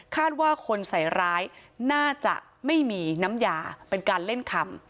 ว่าคนใส่ร้ายน่าจะไม่มีน้ำยาเป็นการเล่นคำ